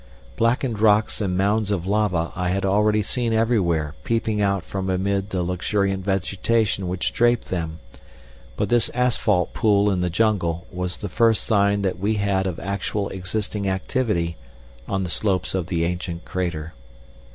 Blackened rocks and mounds of lava I had already seen everywhere peeping out from amid the luxuriant vegetation which draped them, but this asphalt pool in the jungle was the first sign that we had of actual existing activity on the slopes of the ancient crater.